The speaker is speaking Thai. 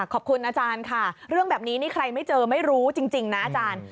ขอบคุณอาจารย์ค่ะเรื่องแบบนี้นี่ใครไม่เจอไม่รู้จริงนะอาจารย์